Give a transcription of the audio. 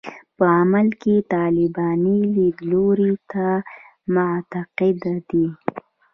په عمل کې طالباني لیدلوري ته معتقد دي.